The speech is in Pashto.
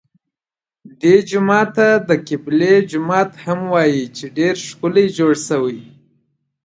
دې جومات ته د قبلې جومات هم وایي چې ډېر ښکلی جوړ شوی.